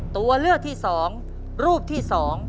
ตัวเลือกที่๒รูปที่๒